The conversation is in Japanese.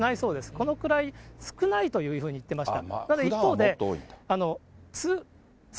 このくらい、少ないというふうに言っていました。